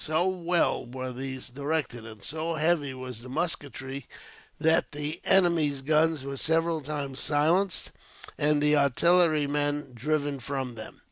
So well were these directed, and so heavy was the musketry, that the enemy's guns were several times silenced, and the artillerymen driven from them.